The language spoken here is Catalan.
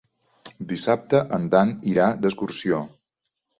Dissabte en Dan irà d'excursió.